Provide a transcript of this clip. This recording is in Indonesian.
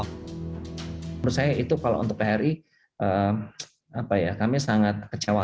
menurut saya itu kalau untuk phri kami sangat kecewa